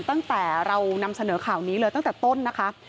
ตั้งแต่เรานำเสนอข่าวนี้เลยตั้งแต่ต้นนะคะ